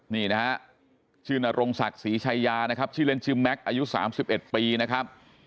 นี่นะฮะชื่อนรงศักดิ์ศรีชายานะครับชื่อเล่นชื่อแม็กซ์อายุ๓๑ปีนะครับ